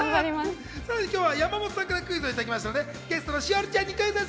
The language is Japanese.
今日は山本さんからクイズをいただきましたのでゲストの栞里ちゃんにクイズッス！